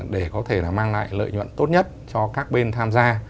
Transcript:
để có thể là mang lại lợi nhuận tốt nhất cho các bên tham gia